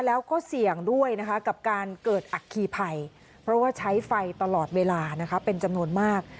แล้วก็เสี่ยงด้วยนะคะกับการเกิดอัคคีภัยเพราะว่าใช้ไฟตลอดเวลานะคะเป็นจำนวนมาก